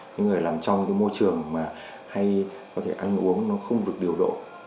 những người làm trong môi trường hay có thể ăn uống không được điều độ